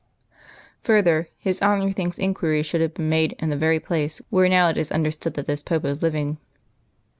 Further, His Honour thinks inquiries should have been made in the very place where now it is understood that this Pope is living.